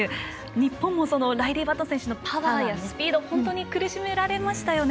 日本もライリー・バット選手のパワーやスピードに本当に苦しめられましたよね。